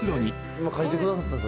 今書いてくださったんですよね？